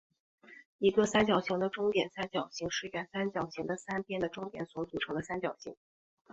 一个三角形的中点三角形是原三角形的三边的中点所组成的三角形。